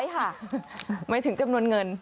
หมายถึงจำนวนเงิน